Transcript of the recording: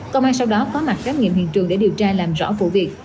công an sau đó có mặt khám nghiệm hiện trường để điều tra làm rõ vụ việc